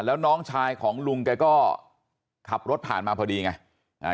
แล้วน้องชายของลุงแกก็ขับรถผ่านมาพอดีไงอ่า